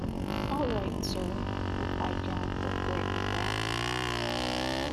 All right, Sir, replied Jock with great regret.